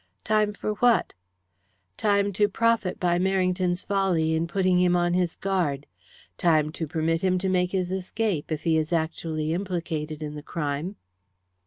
"Time for what?" "Time to profit by Merrington's folly in putting him on his guard. Time to permit him to make his escape, if he is actually implicated in the crime."